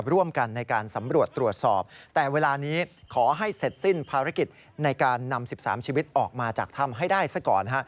ร่วมกันในการสำรวจตรวจสอบแต่เวลานี้ขอให้เสร็จสิ้นภารกิจในการนำ๑๓ชีวิตออกมาจากถ้ำให้ได้ซะก่อน